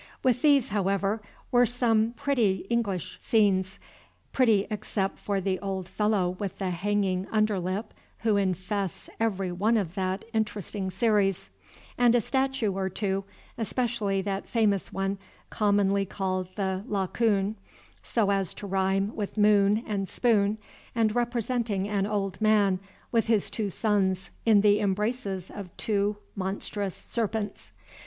With these, however, were some pretty English scenes, pretty except for the old fellow with the hanging under lip who infests every one of that interesting series; and a statue or two, especially that famous one commonly called the Lahcoon, so as to rhyme with moon and spoon, and representing an old man with his two sons in the embraces of two monstrous serpents.